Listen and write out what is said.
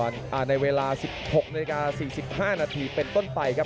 ในเวลา๑๖นาฬิกา๔๕นาทีเป็นต้นไปครับ